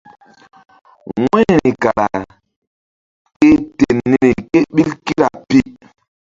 Wu̧yri kara ke ten niri ke ɓil kira pi.